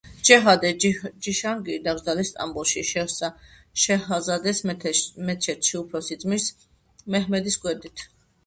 შეჰზადე ჯიჰანგირი დაკრძალეს სტამბოლში, შეჰზადეს მეჩეთში უფროსი ძმის, მეჰმედის გვერდით.